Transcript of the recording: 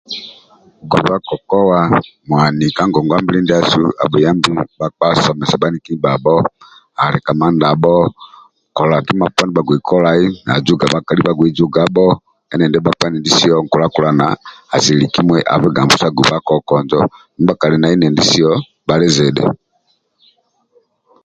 Guba kokoa mwani ka ngongwa-mbili ndiasu abhuyambi bhakpa somesa bhaniki ndibhabho alika mandabho kola kima poni ndia bhagbei kolai na juga bhakali bhagbei jugabho